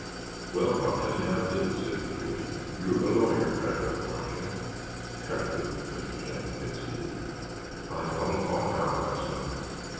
"Well, I'll tell you how it is," said Pee wee. "You're a lawyer, kind of, aren't you?" "Kind of," Mr. Stanton conceded. "I thought it all out last night.